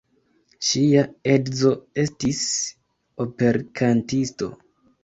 Ŝia edzo estis operkantisto.